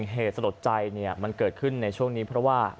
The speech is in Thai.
เหตุสลดใจมันเกิดขึ้นในช่วงนี้เพราะว่า